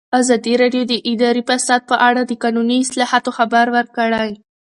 ازادي راډیو د اداري فساد په اړه د قانوني اصلاحاتو خبر ورکړی.